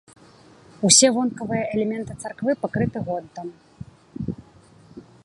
Усе вонкавыя элементы царквы пакрыты гонтам.